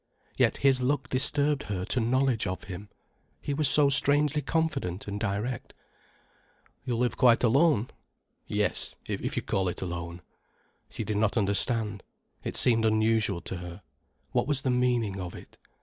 Yet his look disturbed her to knowledge of him. He was so strangely confident and direct. "You live quite alone?" "Yes—if you call it alone?" She did not understand. It seemed unusual to her. What was the meaning of it?